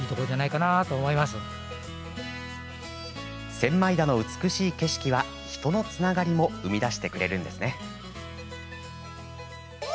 千枚田の美しい景色は人のつながりも生み出してくれるんですね。